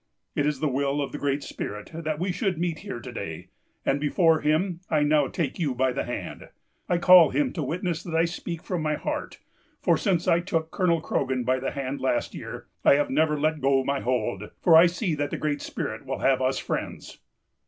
It is the will of the Great Spirit that we should meet here to day; and before him I now take you by the hand. I call him to witness that I speak from my heart; for since I took Colonel Croghan by the hand last year, I have never let go my hold, for I see that the Great Spirit will have us friends.